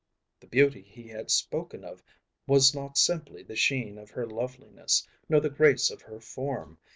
The beauty he had spoken of was not simply the sheen of her loveliness, nor the grace of her form.